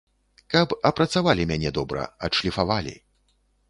Каб апрацавалі мяне добра, адшліфавалі.